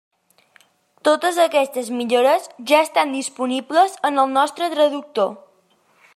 Totes aquestes millores ja estan disponibles en el nostre traductor.